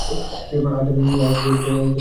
আজ অমিতর মুখেও জবাব বেধে গেল।